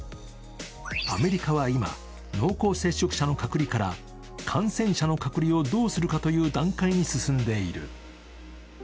アメリカは今、濃厚接触者の隔離から感染者の隔離をどうするかという段階に進んでいる。